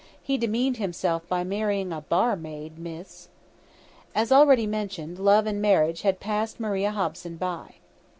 He demeaned himself by marrying a _bar_maid, miss." As already mentioned, love and marriage had passed Maria Hobson by.